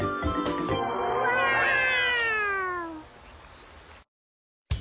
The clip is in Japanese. ワーオ。